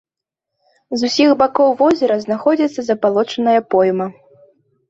З усіх бакоў возера знаходзіцца забалочаная пойма.